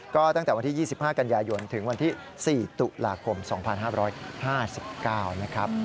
ก็ตั้งแต่วันที่๒๕กันยายนถึงวันที่๔ตุลาคม๒๕๕๙นะครับ